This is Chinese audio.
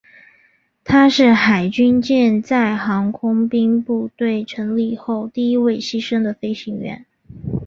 他是海军舰载航空兵部队成立后第一位牺牲的飞行员。